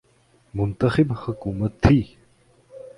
منتخب حکومت تھی۔